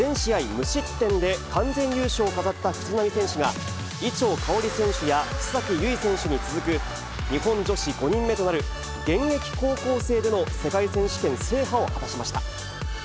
無失点で完全優勝を飾った藤波選手が、伊調馨選手や須崎優衣選手に続く、日本女子５人目となる、現役高校生での世界選手権制覇を果たしました。